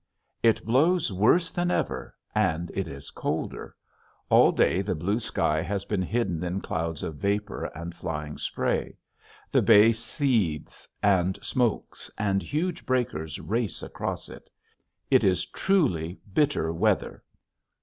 It blows worse than ever, and it is colder. All day the blue sky has been hidden in clouds of vapor and flying spray. The bay seethes and smokes and huge breakers race across it. It is truly bitter weather.